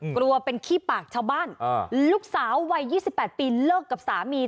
กลัวเป็นขี้ปากชาวบ้านอ่าลูกสาววัยยี่สิบแปดปีเลิกกับสามี